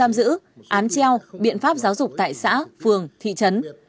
đến hình phạt cải tạo không giam giữ án treo biện pháp giáo dục tại xã phường thị trấn